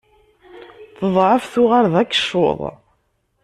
Teḍεef tuɣal d akeccuḍ.